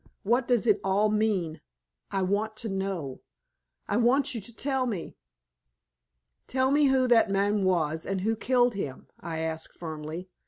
What does it all mean? I want to know. I want you to tell me." "Tell me who that man was, and who killed him?" I asked, firmly.